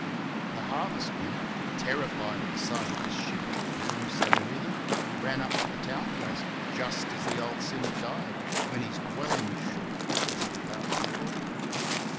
THE WEECKEE AND THE DEATH SHIP. 249 The harvest men, terrified at the sight of this ship of doom so near them, ran up to the town place, just as the old sinner died, when his dwelling shook as if about to fall.